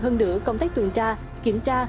hơn nữa công tác tuyển tra kiểm tra